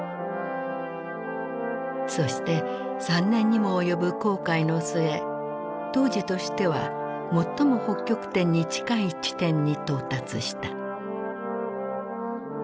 そして３年にも及ぶ航海の末当時としては最も北極点に近い地点に到達した。